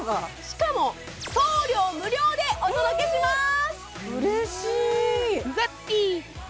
しかも送料無料でお届けします